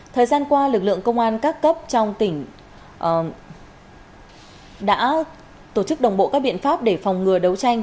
thời gian qua lực lượng công an các cấp trong tỉnh đã tổ chức đồng bộ các biện pháp để phòng ngừa đấu tranh